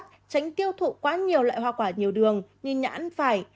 tránh tiêu thụ quá nhiều loại hoa quả nhiều đường như nhãn phải